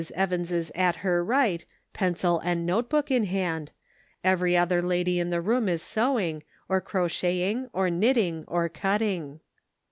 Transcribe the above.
Evans is at her right, pencil and note book in hand, Every other lady in the room is sewing, or crocheting, or knitting, or cutting.